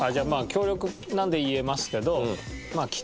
協力なので言えますけど。